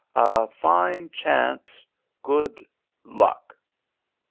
A fine chance. Good luck."